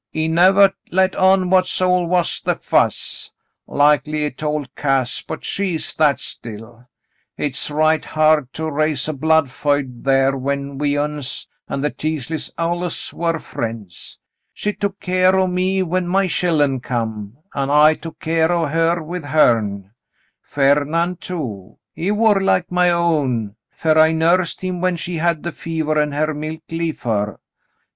He nevah let on what all was the fuss. Likely he told Cass, but she is that still. Hit's right hard to raise a blood feud thar when we uns an' the Teasleys alluz war friends. She took keer o' me when my chillen come, an' I took keer o' her with hern. Ferd'nan' too, he war like my own, fer I nursed him when she had the fever an' her milk lef ' her.